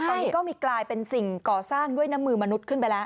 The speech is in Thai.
ตอนนี้ก็มีกลายเป็นสิ่งก่อสร้างด้วยน้ำมือมนุษย์ขึ้นไปแล้ว